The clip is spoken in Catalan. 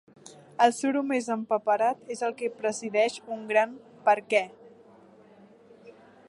El suro més empaperat és el que presideix un gran «Per què?».